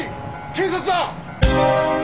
警察だ！